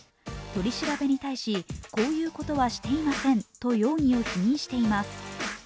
取り調べに対し、こういうことはしていませんと容疑を否認しています。